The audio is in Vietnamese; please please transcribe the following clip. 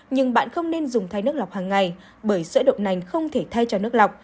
nhưng bạn không nên dùng thay nước lọc hàng ngày bởi sữa độc nành không thể thay cho nước lọc